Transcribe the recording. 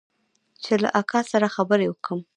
چې له اکا سره خبرې وکم.